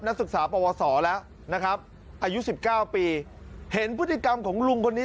นักศึกษาปวสอแล้วนะครับอายุสิบเก้าปีเห็นพฤติกรรมของลุงคนนี้